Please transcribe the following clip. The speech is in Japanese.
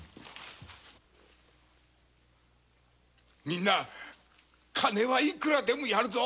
みんな金はたたき幾らでもやるぞ！